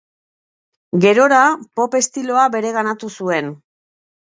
Gerora, pop estiloa bereganatu zuen.